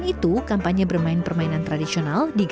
digalakkan dengan permainan tradisional yang lainnya